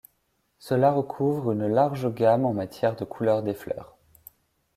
Cela recouvre une large gamme en matière de couleur des fleurs.